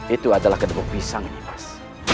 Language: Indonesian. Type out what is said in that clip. itu adalah ketepuk pisang nimas